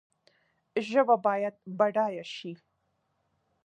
ژبه باید بډایه سي